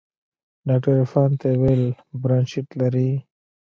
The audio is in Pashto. ډاکتر عرفان ته يې وويل برانشيت لري.